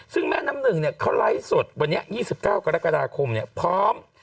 ซึ่งแม่น้ำหนึ่งเขาไลฟ์สดวันนี้๒๙กรกฎาคมพร้อม